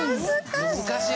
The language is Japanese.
難しい！